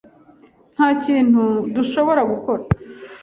Nta kintu dushobora gukora?